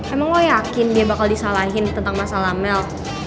emang gue yakin dia bakal disalahin tentang masalah mel